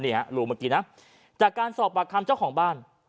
รูเมื่อกี้นะจากการสอบปากคำเจ้าของบ้าน